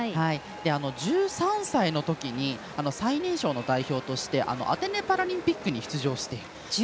１３歳のときに最年少の代表としてアテネパラリンピックに出場して。